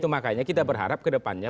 makanya kita berharap kedepannya